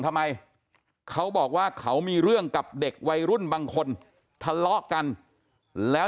ทำไมเขาบอกว่าเขามีเรื่องกับเด็กวัยรุ่นบางคนทะเลาะกันแล้ว